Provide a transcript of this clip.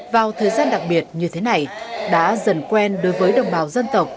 vào thời gian đặc biệt như thế này đã dần quen đối với đồng bào dân tộc